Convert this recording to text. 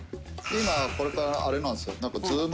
これからあれなんすよ。